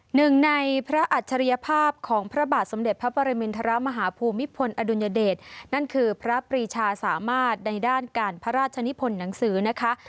หนึ่งในพระอัจฉริยภาพของพระบาทสมเด็จพระปรมินทรมาฮภูมิพลอดุลยเดชนั่นคือพระปรีชาสามารถในด้านการพระราชนิพลหนังสือนะคะ